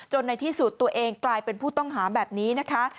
ในที่สุดตัวเองกลายเป็นผู้ต้องหาแบบนี้นะคะ